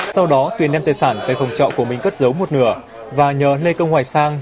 sau đó tuyền đem tài sản về phòng trọ của mình cất giấu một nửa và nhờ lê công hoài sang